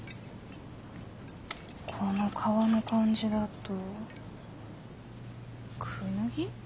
この皮の感じだとクヌギ？